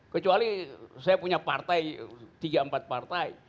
kecuali saya punya partai tiga empat partai